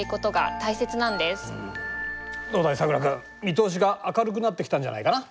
見通しが明るくなってきたんじゃないかな？